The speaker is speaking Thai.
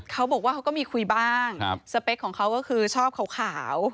อีกเขาว่าเขาก็มีคุยบ้างสเปกของเขาก็คือชอบข่าว